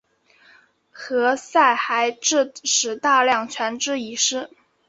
何塞还致使大量船只遗失。